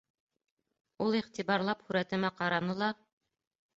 Ул иғтибарлап һүрәтемә ҡараны ла: